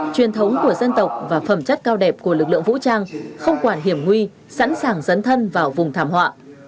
truyền thống của dân tộc và phẩm chất cao đẹp của lực lượng vũ trang không quản hiểm nguy sẵn sàng dấn thân vào vùng thảm họa